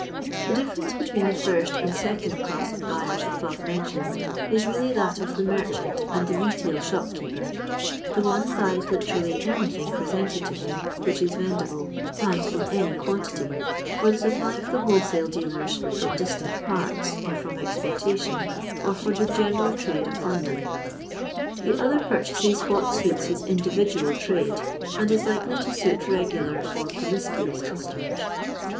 The differenco between the first and second class of bayers above mentioned, is really that of the merchaiot and the retail shopkeeper. The one boys literally anything presented to him which is ▼endible, and in any quantity, for the supply of the wholesale dealers from distant parts, or for exportation, or for the general trade of London, The other purchases what suits his individual trade, and is likely to suit regular or promiscuous customers.